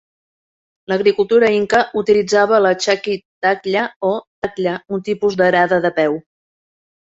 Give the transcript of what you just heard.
L'agricultura inca utilitzava la "chaki taklla" o "taklla", un tipus d'arada de peu.